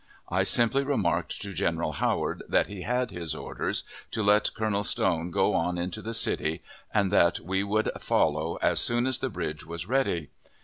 I simply remarked to General Howard that he had his orders, to let Colonel Stone go on into the city, and that we would follow as soon as the bridge was ready.